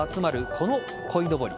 このこいのぼり。